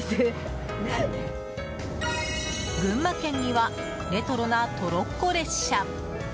群馬県にはレトロなトロッコ列車。